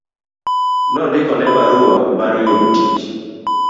Nondikone barua mar yudo tich